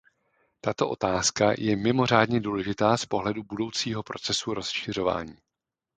Tato otázka je mimořádně důležitá z pohledu budoucího procesu rozšiřování.